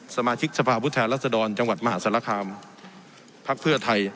สมาชิกสภาพุทธแหลศดรจังหวัดมหาศาลคามพรรคเพื่อไทย